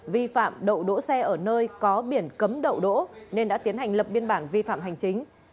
vi phạm đậu đỗ xe ở nơi có biển cấm đậu đỗ nên đã tiến hành lập biên bản vi phạm hành chính